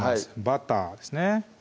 バターですね